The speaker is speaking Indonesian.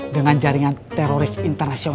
dengan jaringan teroris internasional